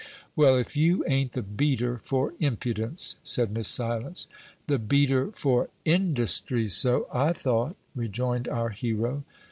"Well, if you ain't the beater for impudence!" said Miss Silence. "The beater for industry so I thought," rejoined our hero.